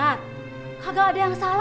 emang begitu kenyataannya nadia bete